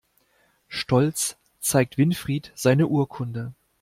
Stolz zeigt Winfried seine Urkunde.